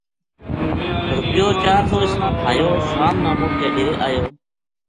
؎رُپیو چار سو اس نا تھایو شام نا مُڑ کے ڈیرے آ یو